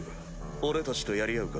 俺たちとやり合うか？